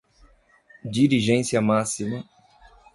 dirigência máxima